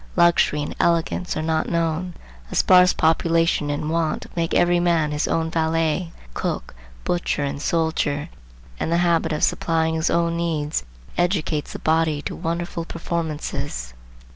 Luxury and elegance are not known. A sparse population and want make every man his own valet, cook, butcher and soldier, and the habit of supplying his own needs educates the body to wonderful performances.